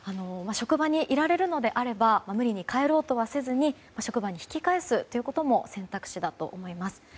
職場にいられるのであれば無理に帰ろうとせずに職場に引き返すということも選択肢だと思います。